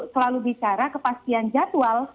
selalu bicara kepastian jadwal